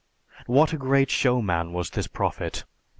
What a great showman was this Prophet!